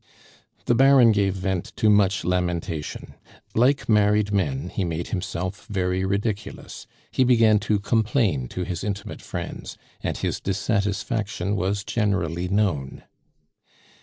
The Baron gave vent to much lamentation; like married men, he made himself very ridiculous, he began to complain to his intimate friends, and his dissatisfaction was generally known.